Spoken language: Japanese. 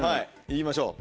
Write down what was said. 行きましょう。